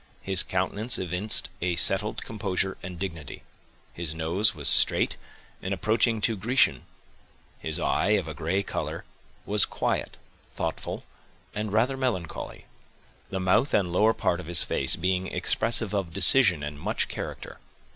His countenance evinced a settled composure and dignity; his nose was straight, and approaching to Grecian; his eye, of a gray color, was quiet, thoughtful, and rather melancholy; the mouth and lower part of his face being expressive of decision and much character.